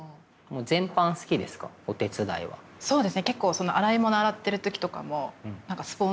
そうですね。